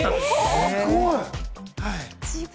すごい！